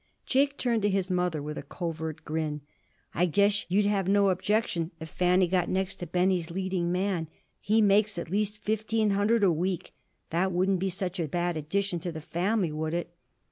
'" Jake turned to his mother with a covert grin. "I guess you'd have no objection if Fanny got next to Benny's leading man. He makes at least fifteen hundred a week. That wouldn't be such a bad addition to the family, would it?"